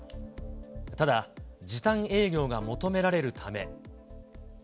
ただ、時短営業が求められるため。